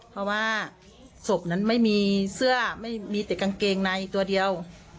เพราะว่าศพนั้นไม่มีเสื้อไม่มีแต่กางเกงในตัวเดียว